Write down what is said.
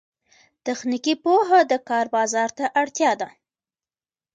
تخنیکي پوهه د کار بازار ته اړتیا ده